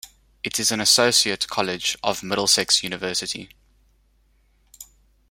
It is an associate college of Middlesex University.